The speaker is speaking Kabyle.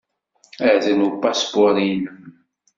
Atan upaspuṛ-nnem.